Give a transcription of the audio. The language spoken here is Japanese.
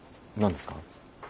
何ですか？